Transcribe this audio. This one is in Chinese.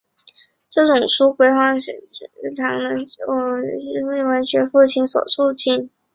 这种书写规范化趋势也由临近的科唐坦以及诺曼底区域的初步诺曼语文学复兴所促进。